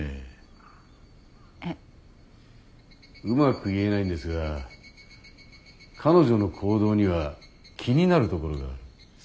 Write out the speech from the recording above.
うまく言えないんですが彼女の行動には気になるところがあるというか。